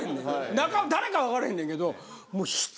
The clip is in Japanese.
中誰かは分からへんねんけど。